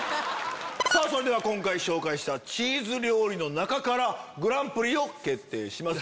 それでは今回紹介したチーズ料理の中からグランプリを決定します